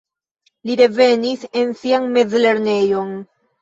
Li revenis en sian mezlernejon.